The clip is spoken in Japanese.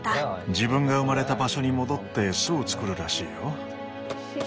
自分が生まれた場所に戻って巣を作るらしいよ。